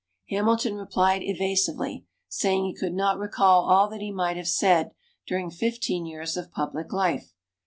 Hamilton replied evasively, saying he could not recall all that he might have said during fifteen years of public life.